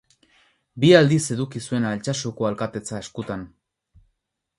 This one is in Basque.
Bi aldiz eduki zuen Altsasuko alkatetza eskutan.